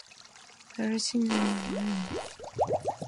It is played with only eight players and on a smaller pitch.